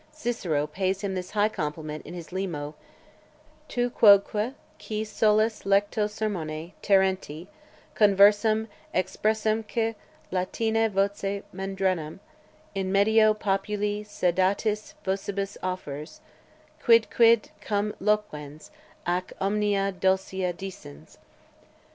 Cicero pays him this high compliment, in his Limo Tu quoque, qui solus lecto sermone, Terenti, Conversum expressumque Latina voce Menandrum In medio populi sedatis vocibus offers, Quidquid come loquens, ac omnia dulcia dicens.